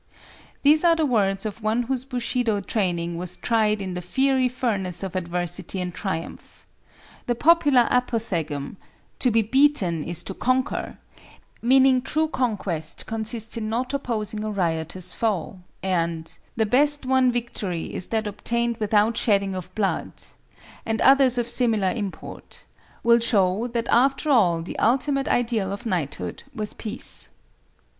These are the words of one whose Bushido training was tried in the fiery furnace of adversity and triumph. The popular apothegm—"To be beaten is to conquer," meaning true conquest consists in not opposing a riotous foe; and "The best won victory is that obtained without shedding of blood," and others of similar import—will show that after all the ultimate ideal of knighthood was Peace.